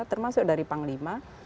termasuk dari panglima